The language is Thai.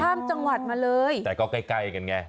ข้ามจังหวัดมาเลยแต่ก็ใกล้ใกล้กันไง